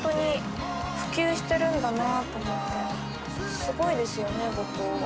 すごいですよね五島は。